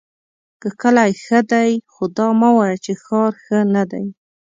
که کلی ښۀ دی خو دا مه وایه چې ښار ښۀ ندی!